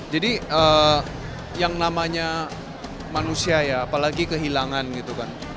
jadi yang namanya manusia ya apalagi kehilangan gitu kan